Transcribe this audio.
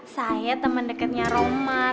saya teman dekatnya roman